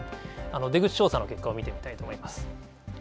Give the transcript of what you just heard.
出口調査の結果を見てみたいと思います。